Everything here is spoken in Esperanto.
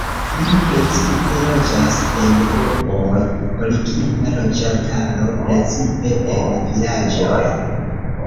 Ili precipe loĝas en urboj, origina loĝantaro precipe en vilaĝoj.